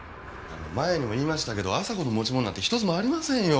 あの前にも言いましたけど亜沙子の持ち物なんてひとつもありませんよ。